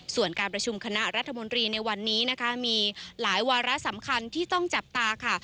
ส่วนการประชุมคณะรัฐมนตรีในวันนี้นะคะมีหลายวาระสำคัญที่ต้องจับตาค่ะ